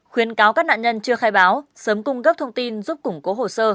khuyến cáo các nạn nhân chưa khai báo sớm cung cấp thông tin giúp củng cố hồ sơ